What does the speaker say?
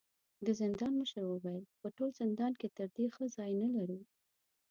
د زندان مشر وويل: په ټول زندان کې تر دې ښه ځای نه لرو.